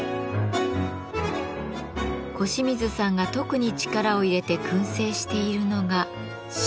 輿水さんが特に力を入れて燻製しているのが。